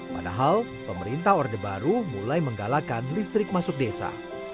padahal pemerintah orde baru mulai menggalakan listrik masuk desa